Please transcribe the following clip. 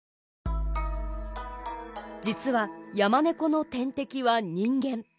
実はヤマネコの天敵は人間。